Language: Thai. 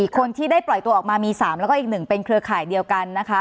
คนที่ได้ปล่อยตัวออกมามี๓แล้วก็อีก๑เป็นเครือข่ายเดียวกันนะคะ